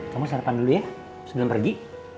kamu sarapan dulu ya sebelum pergi